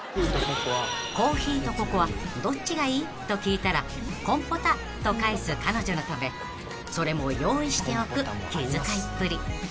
［「コーヒーとココアどっちがいい？」と聞いたら「コンポタ」と返す彼女のためそれも用意しておく気遣いっぷり］